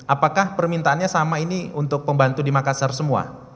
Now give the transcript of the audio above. apakah permintaannya sama ini untuk pembantu di makassar semua